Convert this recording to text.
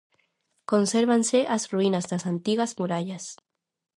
Consérvanse as ruínas das antigas murallas.